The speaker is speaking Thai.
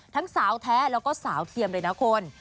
ทั้งสาวแท้แล้วก็สาวเทียมเลยนะคุณ